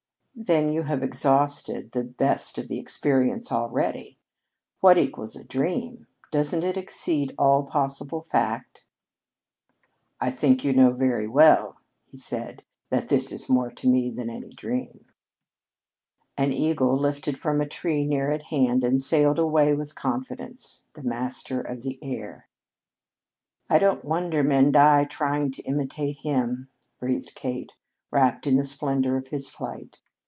"Then you have exhausted the best of the experience already. What equals a dream? Doesn't it exceed all possible fact?" "I think you know very well," he answered, "that this is more to me than any dream." An eagle lifted from a tree near at hand and sailed away with confidence, the master of the air. "I don't wonder men die trying to imitate him," breathed Kate, wrapt in the splendor of his flight.